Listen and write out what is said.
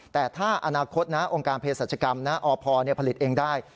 แต่ถ้าอนาคตนะองค์การเพศรัชกรรมนะอพผลิตเองได้